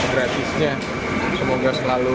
sementara itu bagi pengelola